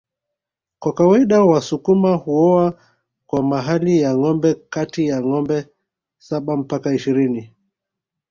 Kwa kawaida wasukuma huoa kwa mahali ya ngombe kati ya ngombe saba mpaka ishirini